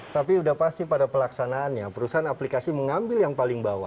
tapi sudah pasti pada pelaksanaannya perusahaan aplikasi mengambil yang paling bawah